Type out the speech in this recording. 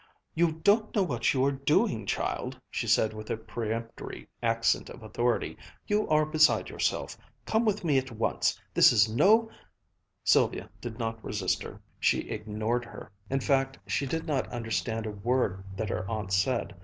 "You don't know what you are doing, child," she said with a peremptory accent of authority. "You are beside yourself. Come with me at once. This is no " Sylvia did not resist her. She ignored her. In fact, she did not understand a word that her aunt said.